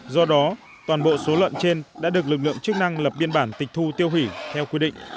do đó toàn bộ số lợn trên đã được lực lượng chức năng lập biên bản tịch thu tiêu hủy theo quy định